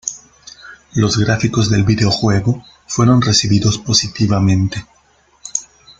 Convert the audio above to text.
Los gráficos del videojuego fueron recibidos positivamente.